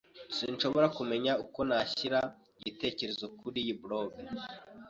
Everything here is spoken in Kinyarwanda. Sinshobora kumenya uko nashyira igitekerezo kuriyi blog.